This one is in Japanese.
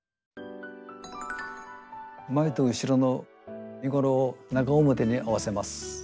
前と後ろの身ごろを中表に合わせます。